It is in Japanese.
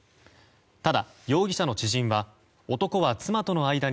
ただ、容疑者の知人は男は妻との間に